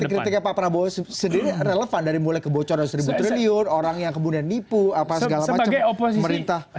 jadi kritik kritiknya pak prabowo sendiri relevan dari mulai kebocoran rp satu triliun orang yang kemudian nipu apa segala macam